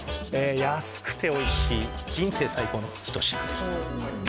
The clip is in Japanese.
安くておいしい人生最高の一品です